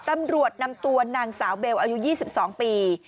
ตำรวจนำตัวนางสาวเบลอายุ๒๒ปี